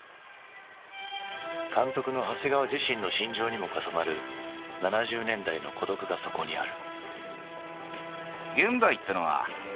監督の長谷川自身の心情にも重なる７０年代の孤独がそこにある。